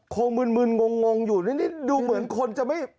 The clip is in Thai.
มึนงงอยู่นิดดูเหมือนคนจะไม่